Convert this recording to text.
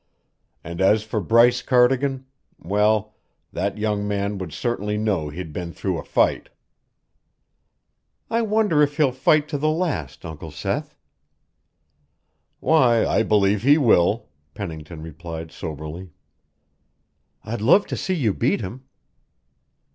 And as for Bryce Cardigan well, that young man would certainly know he'd been through a fight." "I wonder if he'll fight to the last, Uncle Seth." "Why, I believe he will," Pennington replied soberly. "I'd love to see you beat him."